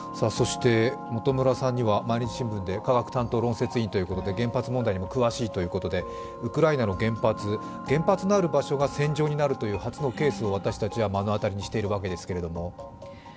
元村さんには、「毎日新聞」で科学担当論説員ということで、原発問題にも詳しいということで、ウクライナの原発、原発のある場所が初の戦場になるというケースを私たちは目の当たりにしているわけですけれども。